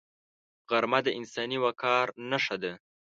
غرمه د انساني وقار نښه ده